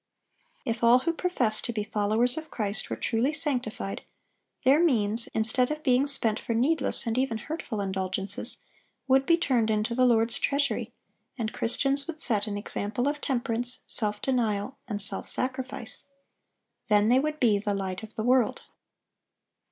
If all who profess to be followers of Christ were truly sanctified, their means, instead of being spent for needless and even hurtful indulgences, would be turned into the Lord's treasury, and Christians would set an example of temperance, self denial, and self sacrifice. Then they would be the light of the world.